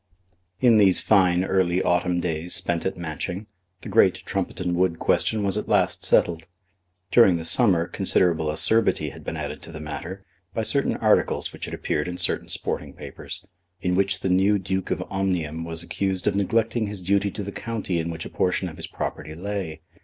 In these fine early autumn days spent at Matching, the great Trumpeton Wood question was at last settled. During the summer considerable acerbity had been added to the matter by certain articles which had appeared in certain sporting papers, in which the new Duke of Omnium was accused of neglecting his duty to the county in which a portion of his property lay.